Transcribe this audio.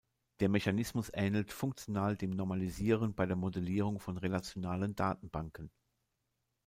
Der Mechanismus ähnelt funktional dem Normalisieren bei der Modellierung von relationalen Datenbanken.